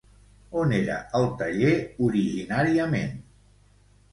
On era el taller originàriament?